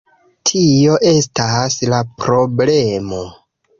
Tio estas la problemo